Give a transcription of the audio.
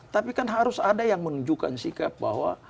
tapi kan harus ada yang menunjukkan sikap bahwa